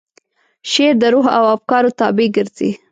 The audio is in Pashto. شعر د روح او افکارو تابع ګرځي.